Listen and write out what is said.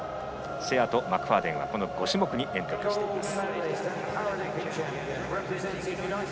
シェアとマクファーデンは５種目にエントリーしています。